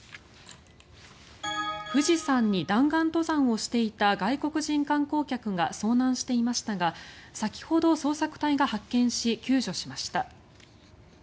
富士山に弾丸登山をしていた外国人観光客が遭難していましたが先ほど捜索隊が発見し救助しました。